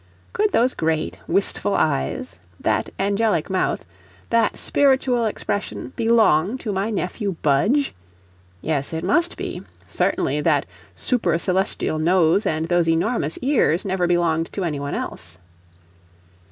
Could those great, wistful eyes, that angelic mouth, that spiritual expression, belong to my nephew Budge? Yes, it must be certainly that super celestial nose and those enormous ears never belonged to any one else.